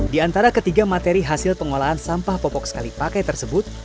di antara ketiga materi hasil pengolahan sampah popok sekali pakai tersebut